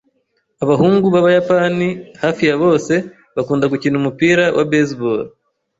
Abahungu b'Abayapani hafi ya bose bakunda gukina umupira wa baseball.